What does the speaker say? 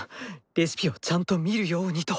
レシピをちゃんと見るようにと。